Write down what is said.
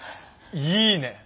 いいね！